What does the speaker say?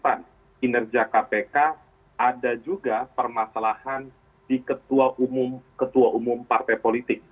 ketika kita kaitkan dengan efektifan kinerja kpk ada juga permasalahan di ketua umum partai politik